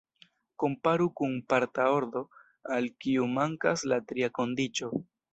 Komparu kun parta ordo, al kiu mankas la tria kondiĉo.